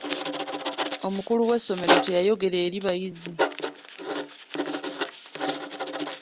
Omukulu w'essomero teyayogera eri bayizi.